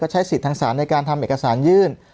ใช้สิทธิ์ทางศาลในการทำเอกสารยื่น